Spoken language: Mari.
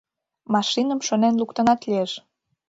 — Машиным шонен луктынат лиеш!